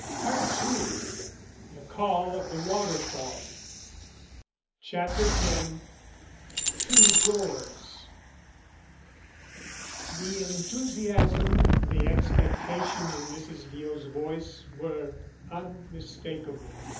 PART II The Call of the Waterfall CHAPTER X TWO DOORS The enthusiasm, the expectation in Mrs. Deo's voice were unmistakable.